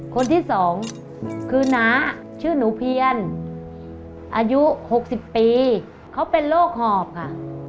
คนที่สองคือน้าชื่อหนูเพียนอายุ๖๐ปีเขาเป็นโรคหอบค่ะ